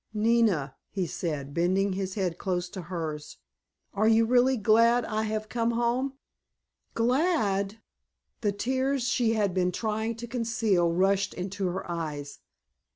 "Nina," he said, bending his head close to hers, "are you really glad I have come home?" "Glad!" The tears she had been trying to conceal rushed into her eyes.